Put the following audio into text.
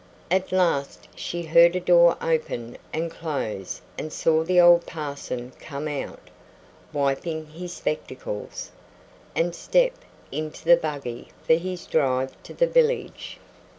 At last she heard a door open and close and saw the old parson come out, wiping his spectacles, and step into the buggy for his drive to the village.